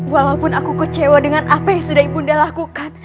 walaupun aku kecewa dengan apa yang sudah ibunda lakukan